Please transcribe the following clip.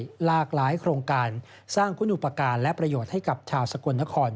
หลากหลายโครงการสร้างคุณอุปการณ์และประโยชน์ให้กับชาวสกลนคร